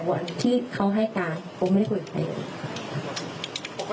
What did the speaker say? เราเคยได้คุยกับเขาบ้างบอกไม่ได้คุยกับเขาเลยค่ะ